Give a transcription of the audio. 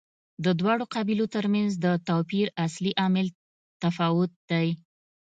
د دواړو قبیلو ترمنځ د توپیر اصلي عامل تفاوت دی.